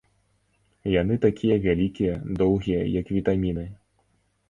Яны такія вялікія, доўгія, як вітаміны.